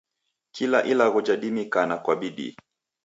Kila ilagho jidimikana kwa bidii.